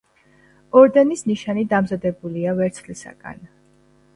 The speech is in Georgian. ორდენის ნიშანი დამზადებულია ვერცხლისაგან.